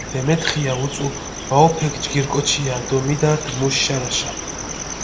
დემეთხია უწუ, ვაჸოფექ ჯგირი კოჩია დო მიდართჷ მუშ შარაშა.